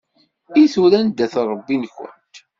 I tura anda-t Ṛebbi-nkent?